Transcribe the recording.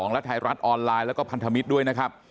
และไทยรัฐออนไลน์แล้วก็พันธมิตรด้วยนะครับ